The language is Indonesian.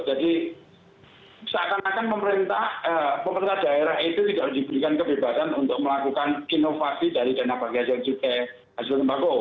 jadi seakan akan pemerintah daerah itu tidak diberikan kebebasan untuk melakukan inovasi dari dana bagi hasil juga hasil tembakau